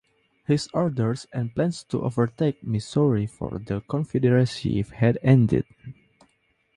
His orders and plans to overtake Missouri for the Confederacy had ended.